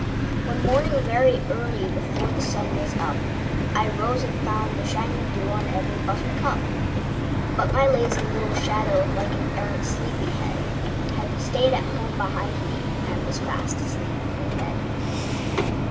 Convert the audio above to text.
One morning, very early, before the sun was up,I rose and found the shining dew on every buttercup; But my lazy little shadow, like an arrant sleepy head, Had stayed at home behind me and was fast asleep in bed.